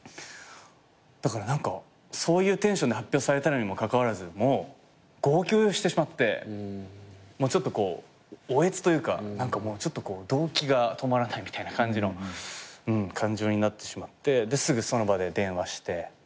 だからそういうテンションで発表されたのにもかかわらず号泣してしまってちょっとおえつというか動悸が止まらないみたいな感じの感情になってしまってすぐその場で電話して母親に。